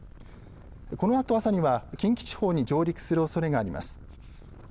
このあと朝には近畿地方に上陸するおそれがあります。